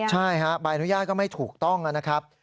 ใช่ฮะใบอนุญาตก็ไม่ถูกต้องนะครับ